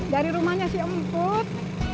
dari rumahnya si emput